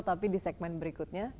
tapi di segmen berikutnya